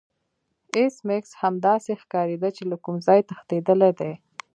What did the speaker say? ایس میکس هم داسې ښکاریده چې له کوم ځای تښتیدلی دی